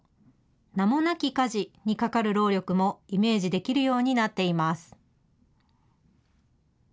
名もなき家事にかかる労力もイメージできるようになっています。